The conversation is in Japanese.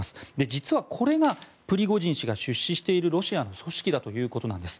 実はこれがプリゴジン氏が出資しているロシアの組織だということなんです。